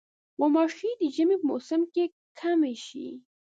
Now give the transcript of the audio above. غوماشې د ژمي په موسم کې کمې شي.